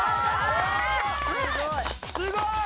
すごい！